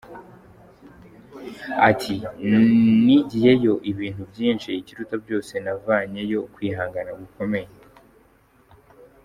Ati “Nigiyeyo ibintu byinshi, ikiruta byose navanyeyo kwihangana gukomeye.